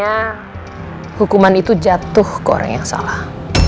karena hukuman itu jatuh ke orang yang salah